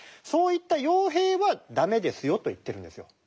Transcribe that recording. そういった傭兵は駄目ですよと言ってるんですよ。